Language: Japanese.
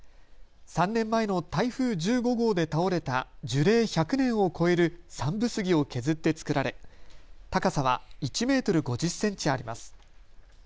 ３年前の台風１５号で倒れた樹齢１００年を超えるサンブスギを削って作られ高さは１メートル５０センチあります。